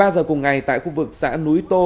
một mươi ba h cùng ngày tại khu vực xã núi tô